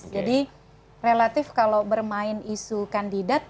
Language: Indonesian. jadi relatif kalau bermain isu kandidat